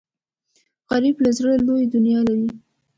غریب له زړه لوی دنیا لري